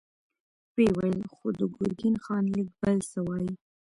ويې ويل: خو د ګرګين خان ليک بل څه وايي.